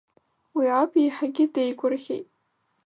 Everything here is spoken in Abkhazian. Уи аб еиҳагьы деигәырӷьеит.